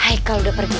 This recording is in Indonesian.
hai kau udah pergi